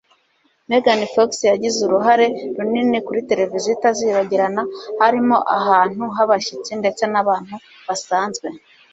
Megan Fox yagize uruhare runini kuri tereviziyo itazibagirana, harimo ahantu h'abashyitsi ndetse n'abantu basanzwe.